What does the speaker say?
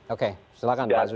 oke silahkan pak zudan